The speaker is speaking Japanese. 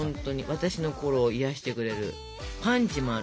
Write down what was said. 私の心を癒やしてくれるパンチもあるしね。